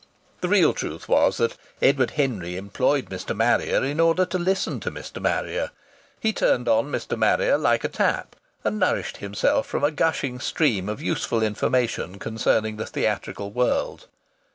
The real truth was that Edward Henry employed Mr. Marrier in order to listen to Mr. Marrier. He turned on Mr. Marrier like a tap, and nourished himself from a gushing stream of useful information concerning the theatrical world.